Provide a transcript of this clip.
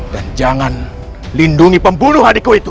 dan jangan lindungi pembunuh adikku itu